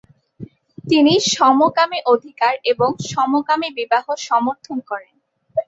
তিনি সমকামী অধিকার এবং সমকামী বিবাহ সমর্থন করেন।